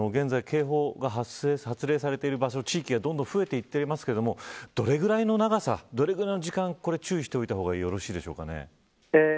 現在、警報が発令されている場所や地域が増えていっていますがどのぐらいの長さ、どのぐらいの時間、注意した方がよろしいですか。